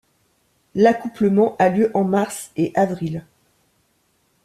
L'accouplement a lieu en mars et avril.